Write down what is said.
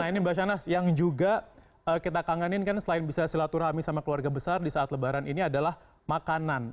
nah ini mbak shanas yang juga kita kangenin kan selain bisa silaturahmi sama keluarga besar di saat lebaran ini adalah makanan